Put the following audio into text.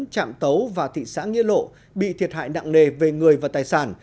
trạm tấu và thị xã nghĩa lộ bị thiệt hại nặng nề về người và tài sản